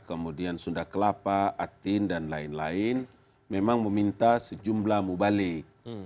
kemudian sunda kelapa atin dan lain lain memang meminta sejumlah mubalik